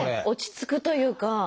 落ち着くというか。